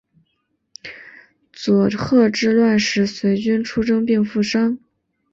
佐贺之乱时随军出征并负伤。